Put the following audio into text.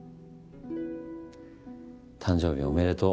誕生日おめでとう。